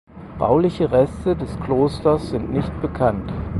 Bauliche Reste des Klosters sind nicht bekannt.